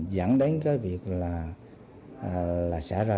giẵn đánh cái việc là xảy ra